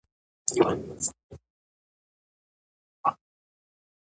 ورزش کول د انسان بدن سالم او ذهن یې فعاله ساتي.